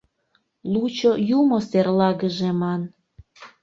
Лучо юмо серлагыже ман...